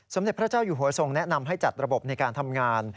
สมเด็จพระเจ้าอยู่หัวทรงแนะนำให้จัดระบบในการทำงาน